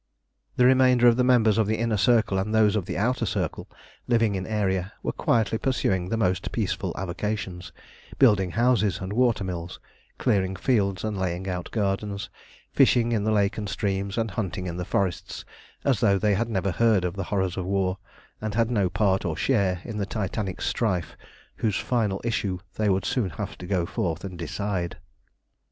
The remainder of the members of the Inner Circle and those of the Outer Circle, living in Aeria, were quietly pursuing the most peaceful avocations, building houses and water mills, clearing fields and laying out gardens, fishing in the lake and streams, and hunting in the forests as though they had never heard of the horrors of war, and had no part or share in the Titanic strife whose final issue they would soon have to go forth and decide.